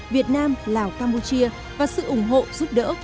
việt nam lào campuchia và sự ủng hộ giúp đỡ của bạn bè quốc tế